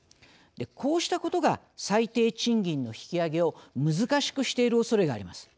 こうしたことが最低賃金の引き上げを難しくしているおそれがあります。